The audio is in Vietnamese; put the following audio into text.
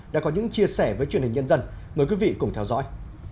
đã có những chia sẻ với truyền hình nhân dân mời quý vị cùng theo dõi